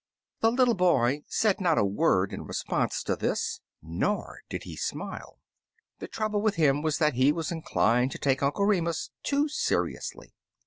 The little boy said not a word in response to this, nor did he smile. The trouble with him was that he was inclined to take Uncle Remus too seriously.